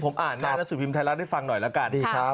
ผมอ่านหน้านังสือภิมศ์ไทยล่ะได้ฟังหน่อยแล้วกัน